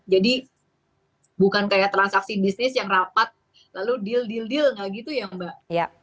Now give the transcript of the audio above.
jadi bukan kayak transaksi bisnis yang rapat lalu deal deal deal gak gitu ya mbak